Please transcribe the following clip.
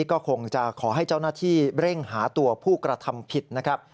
ก็คงจะขอให้เจ้าหน้าที่เร่งหาตัวผู้กระทำผิดนะครับ